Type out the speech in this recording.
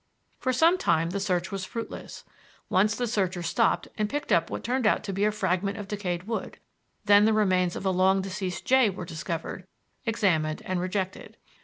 For some time the search was fruitless. Once the searcher stooped and picked up what turned out to be a fragment of decayed wood; then the remains of a long deceased jay were discovered, examined, and rejected.